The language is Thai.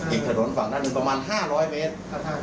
อีกถนนฝั่งนั้นประมาณ๕๐๐เมตร